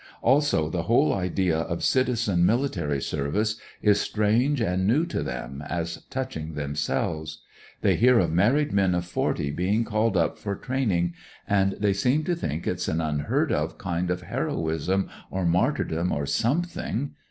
Also the whole idea of citizen military service is strange and new to them as touching themselves. They hear of married men of forty being called up for training, and they seem to think it's an unheard of kind of heroism or martyr dom, or something.